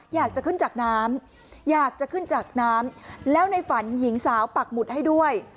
อยากจะขึ้นจากน้ำอยากจะขึ้นจากน้ำแล้วในฝันหญิงสาวปักหมุดให้ด้วย